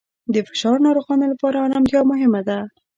د فشار ناروغانو لپاره آرامتیا مهمه ده.